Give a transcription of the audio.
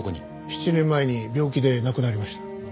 ７年前に病気で亡くなりました。